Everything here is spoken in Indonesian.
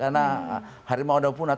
karena harimau dah punah